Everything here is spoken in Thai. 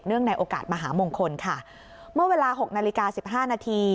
ในโอกาสมหามงคลค่ะเมื่อเวลาหกนาฬิกาสิบห้านาที